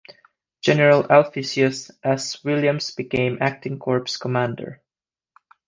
General Alpheus S. Williams became acting corps commander.